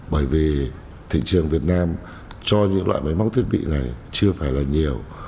bởi vì thị trường việt nam cho những loại máy móc thiết bị này chưa phải là nhiều